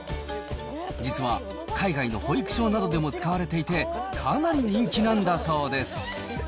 実は、海外の保育所などでも使われていて、かなり人気なんだそうです。